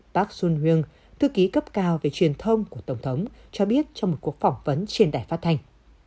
bác sun huyen thư ký cấp cao về truyền thông của tổng thống cho biết trong một cuộc phỏng vấn trên đài phát thành